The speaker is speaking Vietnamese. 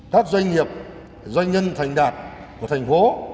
các doanh nghiệp doanh nhân thành đạt của thành phố